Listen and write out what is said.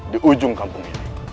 di ujung kampung ini